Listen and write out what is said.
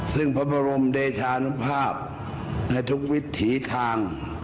ซึ่งพระบรมเดชานุภาพในทุกวิถีทาง